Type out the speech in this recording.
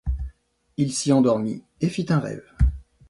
Il s’y endormit et fit un rêve.